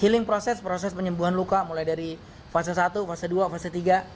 healing proses proses penyembuhan luka mulai dari fase satu fase dua fase tiga